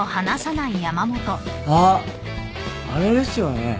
あっあれですよね。